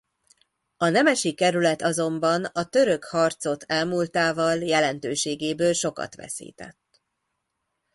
A nemesi kerület azonban a török harcot elmúltával jelentőségéből sokat veszített.